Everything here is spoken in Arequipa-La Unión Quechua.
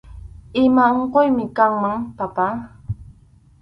Ima unquymi kanman, papá